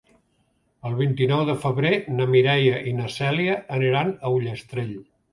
El vint-i-nou de febrer na Mireia i na Cèlia aniran a Ullastrell.